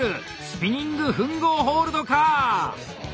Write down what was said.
スピニング吻合ホールドか！